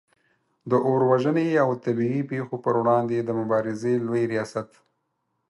د اور وژنې او طبعې پیښو پر وړاندې د مبارزې لوي ریاست